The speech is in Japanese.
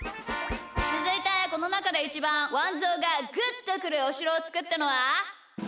つづいてこのなかでイチバンワンぞうがグッとくるおしろをつくったのは？